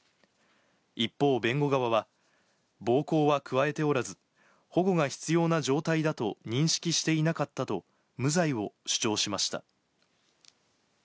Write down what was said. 一方、弁護側は、暴行は加えておらず、保護が必要な状態だと認識していなかったと、無罪を主張しました。